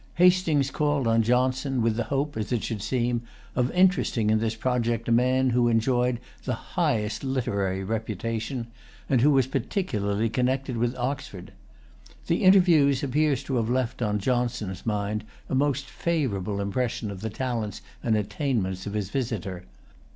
Hastings called on Johnson, with the hope, as it should seem, of interesting in this project a man who enjoyed the highest literary reputation, and who was particularly connected with Oxford. The interview appears to have left on Johnson's mind a most favorable impression of the talents and attainments of his visitor.